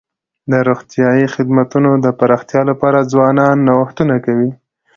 د روغتیايي خدمتونو د پراختیا لپاره ځوانان نوښتونه کوي.